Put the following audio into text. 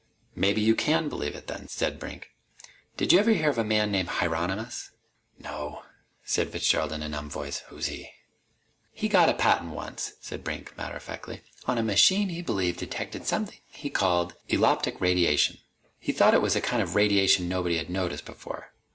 "Maybe you can believe it, then," said Brink. "Did you ever hear of a man named Hieronymus?" "No," said Fitzgerald in a numbed voice. "Who's he?" "He got a patent once," said Brink, matter of factly, "on a machine he believed detected something he called eloptic radiation. He thought it was a kind of radiation nobody had noticed before.